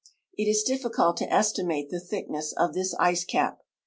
It is difficult to esti mate the thickness of this ice cap.